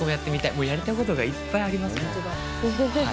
もうやりたいことがいっぱいあります。